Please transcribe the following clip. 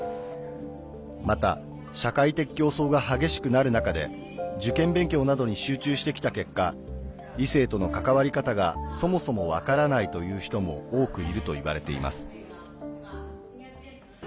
また社会的競争が激しくなる中で受験勉強などに集中してきた結果異性との関わり方がそもそも分からないという人も多くいるといわれています。